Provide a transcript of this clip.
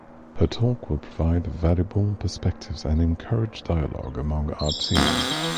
Her talk will provide valuable perspectives and encourage dialogue among our team.